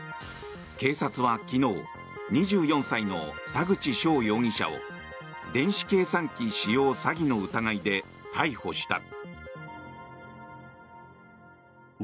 警察は昨日２４歳の田口翔容疑者を電子計算機使用詐欺の疑いで逮捕した。